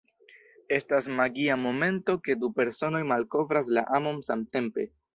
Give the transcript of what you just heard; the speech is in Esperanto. Estas magia momento ke du personoj malkovras la amon samtempe.